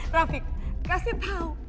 rafiq kasih tahu